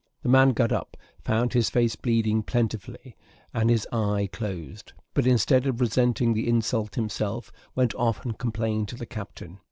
The man got up, found his face bleeding plentifully, and his eye closed; but instead of resenting the insult himself, went off and complained to the captain.